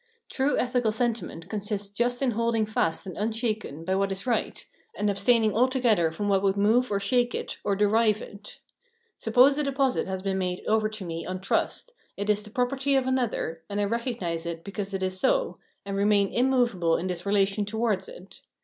True ethical senti ment consists just in holding fast and unshaken by what is right, and abstaining altogether from what would move or shake it or derive it. Suppose a deposit has been made over to me on trust, it is the property of another, and I recognise it because it is so, and remain inunovable in this relation towards it.